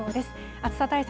暑さ対策